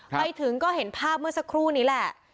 ไปถึงก็เห็นภาพเมื่อสักครู่นี้แหละ